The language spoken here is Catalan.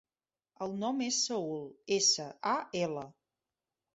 El nom és Saül: essa, a, ela.